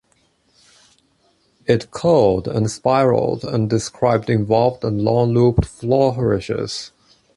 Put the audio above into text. It curled and spiraled, and described involved and long-looped flourishes.